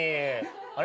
あれ？